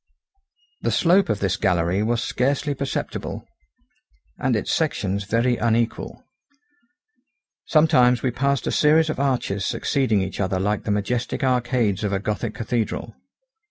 The slope of this gallery was scarcely perceptible, and its sections very unequal. Sometimes we passed a series of arches succeeding each other like the majestic arcades of a gothic cathedral.